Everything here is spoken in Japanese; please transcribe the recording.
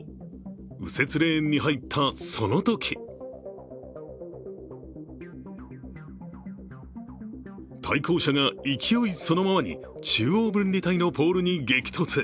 右折レーンに入った、そのとき対向車が勢いそのままに、中央分離帯のポールに激突。